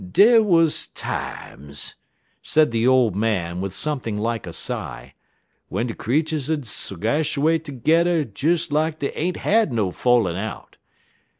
"Dey wuz times," said the old man, with something like a sigh, "w'en de creeturs 'ud segashuate tergedder des like dey ain't had no fallin' out.